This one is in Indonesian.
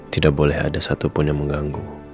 tidak boleh ada satupun yang mengganggu